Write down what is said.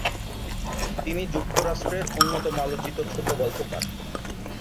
তিনি যুক্তরাষ্ট্রের অন্যতম আলোচিত ছোট গল্পকার।